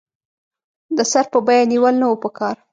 د سر په بیه نېول نه وو پکار.